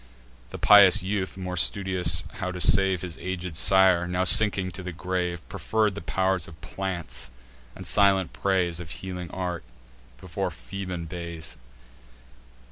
The pious youth, more studious how to save His aged sire, now sinking to the grave, Preferr'd the pow'r of plants, and silent praise Of healing arts, before Phoebean bays.